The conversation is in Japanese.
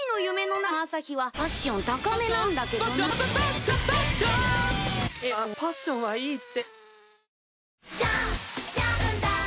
いやもうパッシオンはいいって。